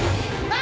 あ！